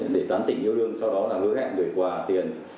để tán tỉnh yêu đương sau đó là lứa hẹn gửi quà tiền